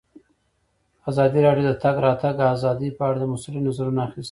ازادي راډیو د د تګ راتګ ازادي په اړه د مسؤلینو نظرونه اخیستي.